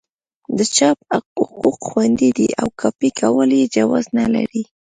د چاپ حقوق خوندي دي او کاپي کول یې جواز نه لري.